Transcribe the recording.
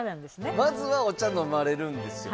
まずはお茶飲まれるんですよ。